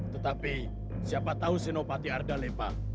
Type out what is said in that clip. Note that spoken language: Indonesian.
tetapi siapa tahu sinopati ardalepa